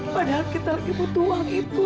padahal kita lagi butuh uang itu